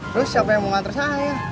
terus siapa yang mau ngatur saya